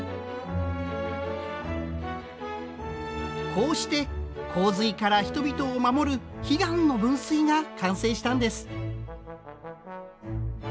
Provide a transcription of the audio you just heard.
こうして洪水から人々を守る悲願の分水が完成したんです。